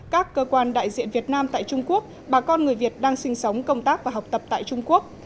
các cơ quan đại diện việt nam tại trung quốc bà con người việt đang sinh sống công tác và học tập tại trung quốc